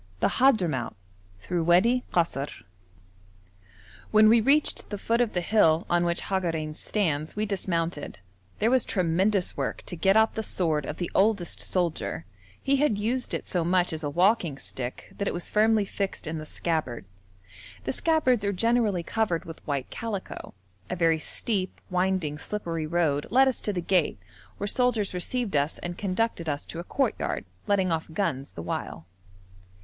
26.] CHAPTER IX THROUGH WADI KASR When we reached the foot of the hill on which Hagarein stands we dismounted; there was tremendous work to get out the sword of the oldest soldier; he had used it so much as a walking stick that it was firmly fixed in the scabbard. The scabbards are generally covered with white calico. A very steep, winding, slippery road led us to the gate, where soldiers received us and conducted us to a courtyard, letting off guns the while.